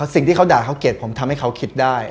สิ่งที่เขาด่าเขาเกลียดผมทำให้เขาคิดได้